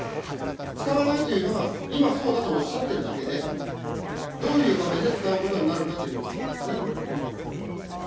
使わないというのは、今、そうだとおっしゃってるだけで、どういう場面で使うことになるかということをですね。